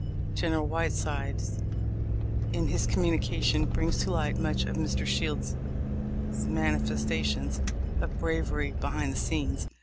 General Whiteside, in his communication, brings to light much of Mr. Shields's manifestations of bravery behind the scenes.